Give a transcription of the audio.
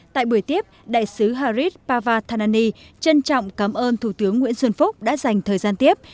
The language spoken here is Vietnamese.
tại buổi tiếp đại sứ harris pavarthanani trân trọng cảm ơn thủ tướng nguyễn xuân phúc đã dành thời gian tiếp